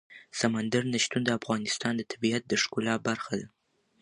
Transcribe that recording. سمندر نه شتون د افغانستان د طبیعت د ښکلا برخه ده.